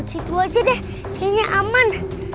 ciku aja deh kayaknya aman